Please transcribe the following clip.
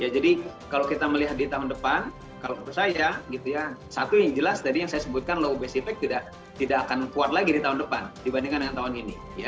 jadi kalau kita melihat di tahun depan kalau menurut saya satu yang jelas tadi yang saya sebutkan low base effect tidak akan kuat lagi di tahun depan dibandingkan dengan tahun ini